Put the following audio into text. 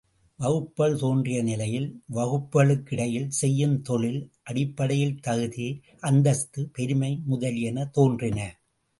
வகுப்புக்கள் தோன்றிய நிலையில் வகுப்புக்களுக்கிடையில், செய்யும் தொழில் அடிப்படையில் தகுதி, அந்தஸ்து, பெருமை முதலியன தோன்றின.